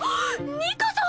ニカさん！